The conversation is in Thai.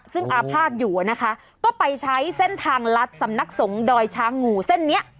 ซึ่งอาภาษณ์อยู่นะคะก็ไปใช้เส้นทางลัดสำนักสงฆ์ดอยช้างงูเส้นนี้